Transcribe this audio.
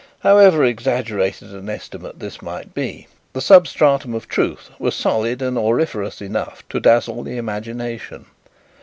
However exaggerated an estimate this might be, the substratum of truth was solid and auriferous enough to dazzle the imagination.